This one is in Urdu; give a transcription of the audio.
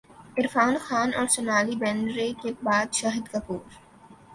عرفان خان اور سونالی بیندر ے کے بعد شاہد کپور